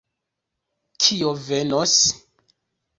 Kio venos?